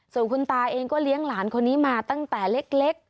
ส่วนคุณตาเองก็เลี้ยงหลานคนนี้มาตั้งแต่เล็ก